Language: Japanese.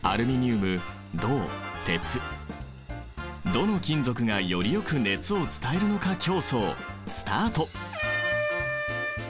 どの金属がよりよく熱を伝えるのか競争スタート！